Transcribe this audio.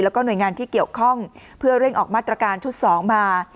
แล้วก็หน่วยงานที่เกี่ยวข้องเพื่อเร่งออกมาตรการชุด๒มา